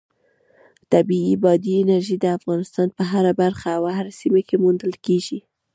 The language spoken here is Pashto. طبیعي بادي انرژي د افغانستان په هره برخه او هره سیمه کې موندل کېږي.